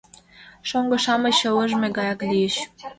Шоҥго-шамыч ылыжме гаяк лийыч.